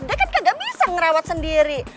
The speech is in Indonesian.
dia kan gak bisa ngerawat sendiri